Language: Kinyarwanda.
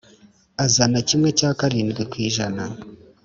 Azana kimwe cya karindwi ku ijana